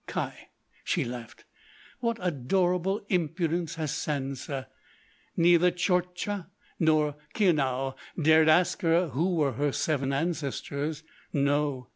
"Kai!" she laughed; "what adorable impudence has Sansa! Neither Tchortcha nor Khiounnou dared ask her who were her seven ancestors! No!